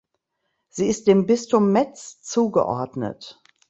Sie ist dem Bistum Metz zugeordnet.